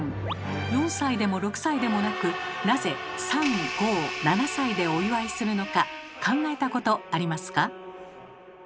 ４歳でも６歳でもなくなぜ３・５・７歳でお祝いするのか考えたことありますか？